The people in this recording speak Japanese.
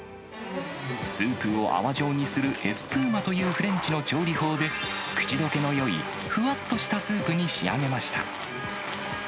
スープを泡状にするエスプーマというフレンチの調理法で、くちどけのよいふわっとしたスープに仕上げました。